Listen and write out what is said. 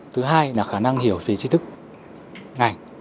thứ hai là khả năng hiểu về trí thức ngành